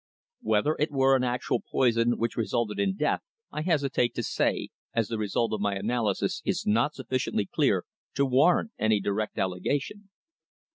Whether it were an actual poison which resulted in death I hesitate to say, as the result of my analysis is not sufficiently clear to warrant any direct allegation."